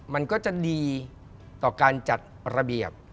มันก็จะดีต่อการจัดระเบียบ